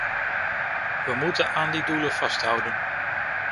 We moeten aan die doelen vasthouden.